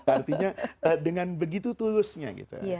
artinya dengan begitu tulusnya gitu